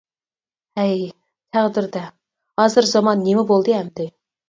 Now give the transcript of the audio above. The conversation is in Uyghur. ھەي، تەقدىردە ھازىر زامان نېمە بولدى ئەمدى؟ !